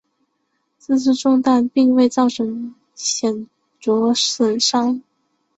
这次中弹并未造成显着损伤。